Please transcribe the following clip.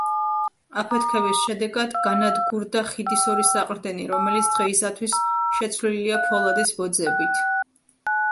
აფეთქების შედეგად განადგურდა ხიდის ორი საყრდენი, რომელიც დღეისათვის შეცვლილია ფოლადის ბოძებით.